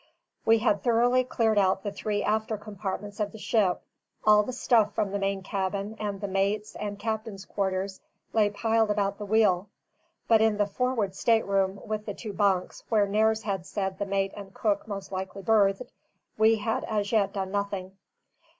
We had thoroughly cleared out the three after compartments of the ship: all the stuff from the main cabin and the mate's and captain's quarters lay piled about the wheel; but in the forward stateroom with the two bunks, where Nares had said the mate and cook most likely berthed, we had as yet done nothing.